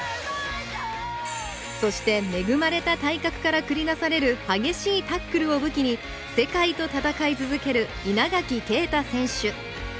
そして恵まれた体格から繰り出される激しいタックルを武器に世界と戦い続ける稲垣啓太選手。